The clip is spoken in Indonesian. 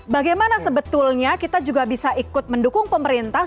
bagaimana sebetulnya kita juga bisa ikut mendukung pemerintah